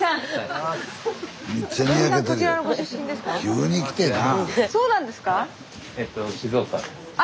急に来てなあ。